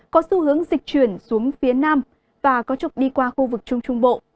có xu hướng dịch chuyển xuống phía nam và có trục đi qua khu vực trung trung bộ